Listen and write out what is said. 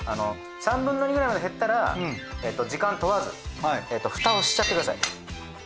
３分の２くらいまで減ったら時間問わず蓋をしちゃってください。